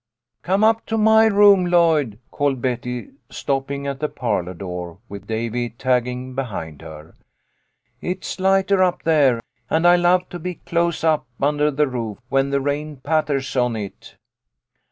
" Come up to my room, Lloyd," called Betty, stop 72 THE LITTLE COLONEL'S HOLIDAYS. ping at the parlour door, with Davy tagging behind her. "It's lighter up there, and I love to be close up under the roof when the rain patters on it."